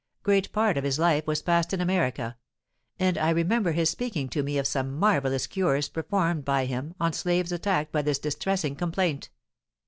Great part of his life was passed in America; and I remember his speaking to me of some marvellous cures performed by him on slaves attacked by this distressing complaint."